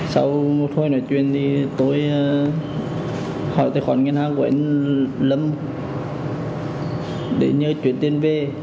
sau một hồi nói chuyện